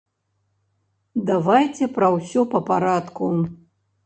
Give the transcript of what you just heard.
Давайце пра ўсё па парадку.